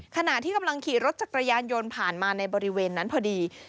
ขณะที่กำลังขี่รถจักรยานยนต์ผ่านมาในบริเวณนั้นพอดี